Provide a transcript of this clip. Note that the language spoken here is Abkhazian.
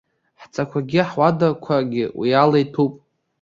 Ҳцақәагьы ҳуадақәагьы уи ала иҭәуп.